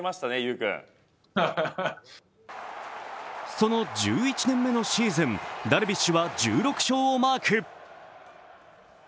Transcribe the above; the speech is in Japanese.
その１１年目のシーズン、ダルビッシュは１６勝をマーク。